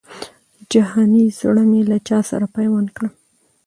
جهاني زړه مي له چا سره پیوند کړم